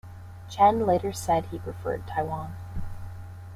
Chen later said he preferred Taiwan.